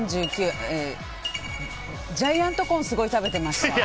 ジャイアントコーンすごい食べてました。